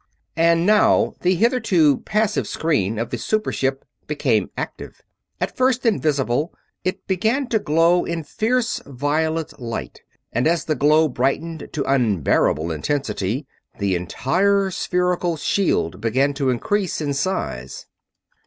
And now the hitherto passive screen of the super ship became active. At first invisible, it began to glow in fierce violet light, and as the glow brightened to unbearable intensity the entire spherical shield began to increase in size.